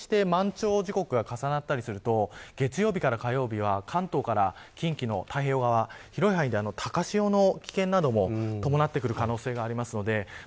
今回の台風７号は接近して満潮時刻が重なったりすると月曜日から火曜日は関東から近畿の太平洋側広い範囲で高潮の危険なども伴う可能性があります。